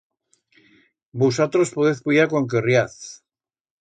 Vusatros podez puyar cuan querriaz.